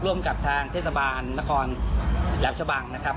ร่วมกับทางเทศบาลนครแหลมชะบังนะครับ